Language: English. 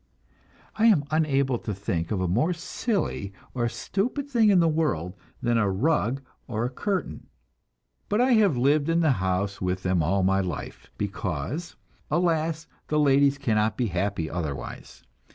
I am unable to think of a more silly or stupid thing in the world than a rug or a curtain, but I have lived in the house with them all my life, because, alas, the ladies cannot be happy otherwise.